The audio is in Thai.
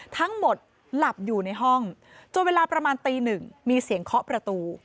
ทั้งหมดหลับอยู่ในห้องจนเวลาประมาณตีหนึ่งมีเสียงเคาะประตู